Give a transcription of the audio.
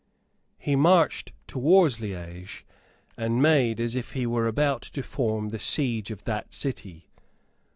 He marched towards Liege, and made as if he were about to form the siege of that city.